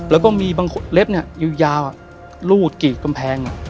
แล้วก็มีบางเล็บยาวรูดกรีดกำแพง